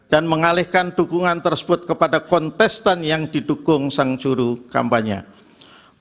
dan mengalihkan dukungan tersebut kepada kontestan yang didukung sang juru kampanye